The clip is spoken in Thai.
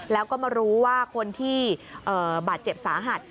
แล้วก็มารู้ว่าคนที่บาดเจ็บสาหัส